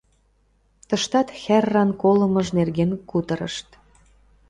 Тыштат хӓрран колымыж нерген кутырышт.